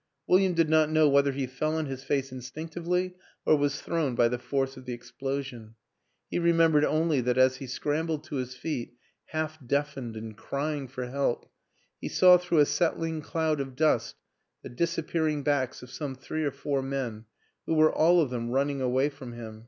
William did not know whether he fell on his face instinctively or was thrown by the force of the explosion; he remembered only that as he scrambled to his feet, half deafened and crying for help, he saw through a settling cloud of dust the disappearing backs of some three or four men who were all of them running away from him.